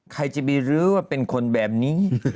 ใครจะไปรู้ว่าเป็นคนแบบนี้